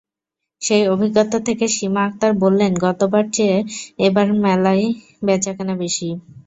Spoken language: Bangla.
সেই অভিজ্ঞতা থেকে সীমা আক্তার বললেন, গতবারের চেয়ে এবারের মেলায় বেচাকেনা বেশি।